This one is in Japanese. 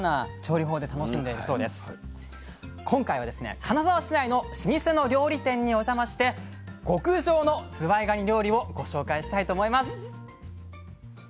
今回はですね金沢市内の老舗の料理店にお邪魔して極上のずわいがに料理をご紹介したいと思います。